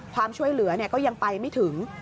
ความช่วยเหลือก็ยังไปไม่ถึง